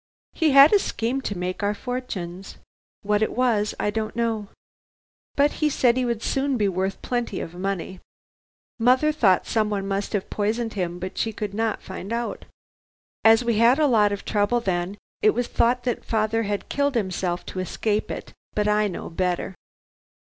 "He had a scheme to make our fortunes. What it was, I don't know. But he said he would soon be worth plenty of money. Mother thought someone must have poisoned him, but she could not find out. As we had a lot of trouble then, it was thought father had killed himself to escape it, but I know better.